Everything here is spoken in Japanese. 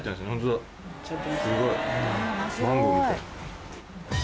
すごい。